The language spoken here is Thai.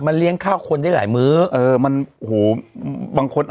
เลี้ยงข้าวคนได้หลายมื้อเออมันโอ้โหบางคนอ่ะ